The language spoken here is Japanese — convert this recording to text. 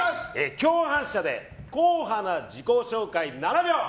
共犯者で硬派な自己紹介、７秒。